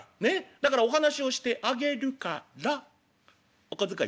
だからお話しをしてあげるからお小遣い頂戴」。